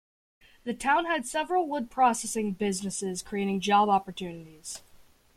The town had several wood processing businesses creating job opportunities.